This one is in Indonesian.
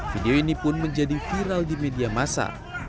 video ini pun menjadi viral di media masa